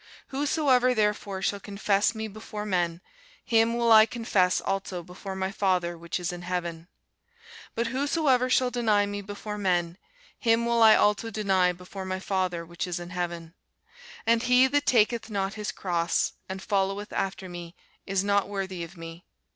Whosoever therefore shall confess me before men, him will I confess also before my Father which is in heaven. But whosoever shall deny me before men, him will I also deny before my Father which is in heaven. And he that taketh not his cross, and followeth after me, is not worthy of me.